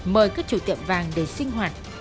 mời các chủ tiệm vàng để sinh hoạt